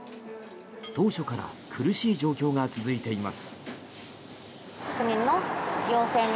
当初から苦しい状況が続いています。